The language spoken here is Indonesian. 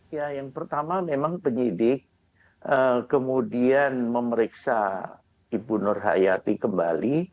ya yang pertama memang penyidik kemudian memeriksa ibu nur hayati kembali